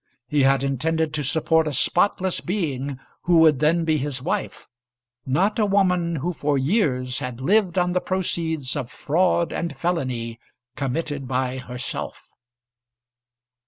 He had intended to support a spotless being, who would then be his wife, not a woman who for years had lived on the proceeds of fraud and felony, committed by herself!